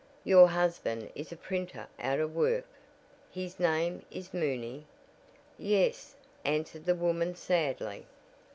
Your husband is a printer out of work? His name is Mooney?" "Yes," answered the woman sadly.